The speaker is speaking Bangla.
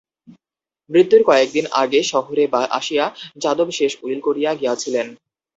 মৃত্যুর কয়েকদিন আগে শহরে আসিয়া যাদব শেষ উইল করিয়া গিয়াছিলেন।